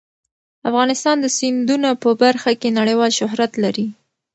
افغانستان د سیندونه په برخه کې نړیوال شهرت لري.